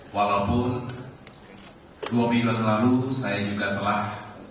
walaupun dua minggu yang lalu saya juga telah